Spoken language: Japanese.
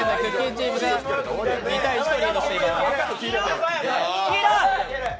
チームが２−１とリードしています。